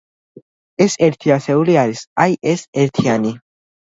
ეს ერთი ასეული არის, აი, ეს ერთიანი.